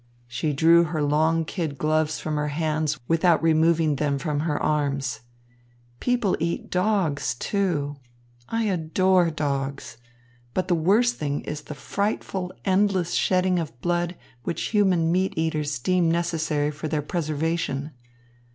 She drew her long kid gloves from her hands without removing them from her arms. "People eat dogs, too. I adore dogs. But the worst thing is the frightful, endless shedding of blood which human meat eaters deem necessary for their preservation.